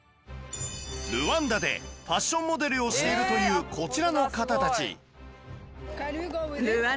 ルワンダでファッションモデルをしているというこちらの方たち